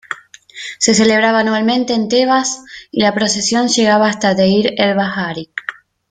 Se celebraba anualmente en Tebas y la procesión llegaba hasta Deir el-Bahari.